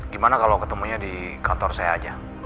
gimana kalau ketemunya di kantor saya aja